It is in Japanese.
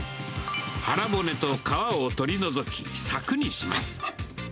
腹骨と皮を取り除き、さくにします。